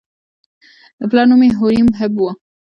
د پلار نوم یې هوریم هب و.